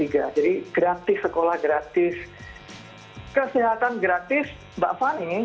jadi gratis sekolah gratis kesehatan gratis mbak fani